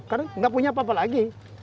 karena gak punya apa apa lagi gitu ya